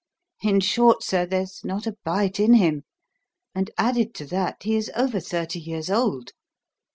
In short, sir, there's not a 'bite' in him; and, added to that, he is over thirty years old.